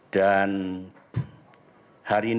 dan hari ini